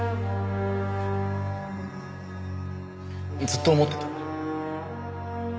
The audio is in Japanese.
ずっと思ってた。